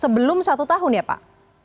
sebelum satu tahun ya pak